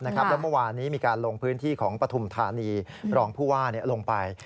แล้วเมื่อวานนี้มีการลงพื้นที่ของปฐุมธานีรองผู้ว่าลงไป